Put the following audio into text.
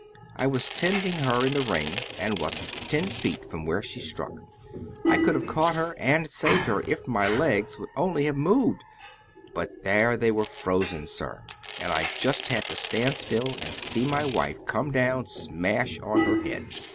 I was 'tending her in the ring, and wasn't ten feet from where she struck. I could have caught her and saved her if my legs would only have moved. But there they were frozen, sir, and I just had to stand still and see my wife come down smash on her head.